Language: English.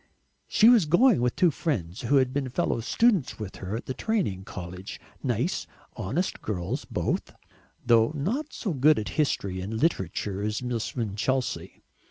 She was going with two friends who had been fellow students with her at the training college, nice honest girls both, though not so good at history and literature as Miss Winchelsea.